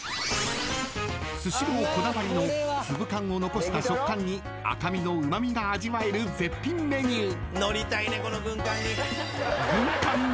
［スシローこだわりの粒感を残した食感に赤身のうま味が味わえる絶品メニュー］